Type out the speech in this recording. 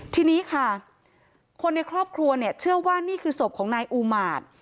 ทีนี้ค่ะคนในครอบครัวเนี่ยเชื่อว่านี่คือศพของนายอูมาตย์